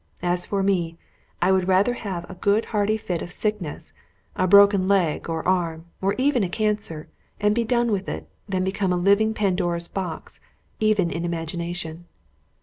As for me, I would rather have a good hearty fit of sickness, a broken leg or arm, or even a cancer, and be done with it, than become a living Pandora's box, even in imagination."